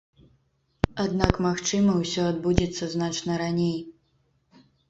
Аднак, магчыма, усё адбудзецца значна раней.